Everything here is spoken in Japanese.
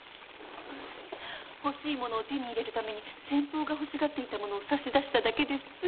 欲しいものを手に入れるために先方が欲しがっていたものを差し出しただけです。